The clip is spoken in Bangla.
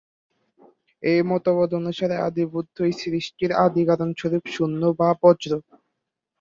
এ মতবাদ অনুসারে আদিবুদ্ধই সৃষ্টির আদি কারণস্বরূপ শূন্য বা বজ্র।